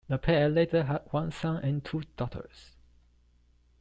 The pair later had one son and two daughters.